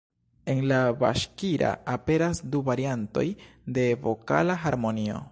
En la Baŝkira aperas du variantoj de vokala harmonio.